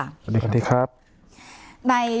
สวัสดีครับ